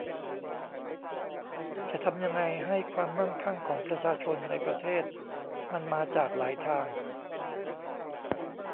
จะทำยังไงให้ความมั่งคั่งของประชาชนในประเทศมันมาจากหลายทาง